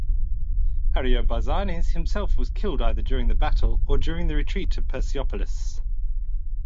Ariobarzanes himself was killed either during the battle or during the retreat to Persepolis.